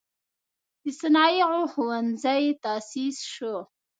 د صنایعو ښوونځی تأسیس شو.